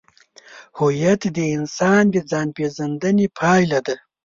هویت د انسان د ځانپېژندنې پایله ده.